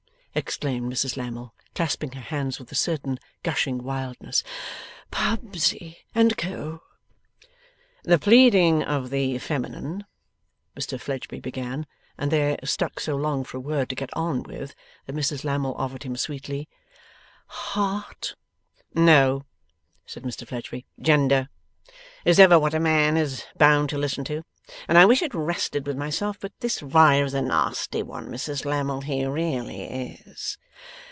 exclaimed Mrs Lammle, clasping her hands with a certain gushing wildness. 'Pubsey and Co.!' 'The pleading of the feminine ' Mr Fledgeby began, and there stuck so long for a word to get on with, that Mrs Lammle offered him sweetly, 'Heart?' 'No,' said Mr Fledgeby, 'Gender is ever what a man is bound to listen to, and I wish it rested with myself. But this Riah is a nasty one, Mrs Lammle; he really is.